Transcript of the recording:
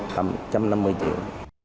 tầm một trăm năm mươi triệu